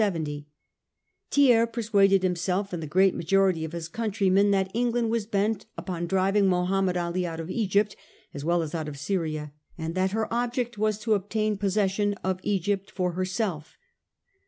Thiers persuaded himself and the great majority of his countrymen that England was bent upon driving Mohammed Ali out of Egypt as well as out of Syria, and that her object was to obtain posses sion of Egypt for herself.